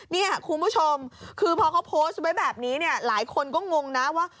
เนี่ยคุณผู้ชมคือพอเขาโพสต์ไว้แบบนี้เนี่ยหลายคนก็งงนะว่า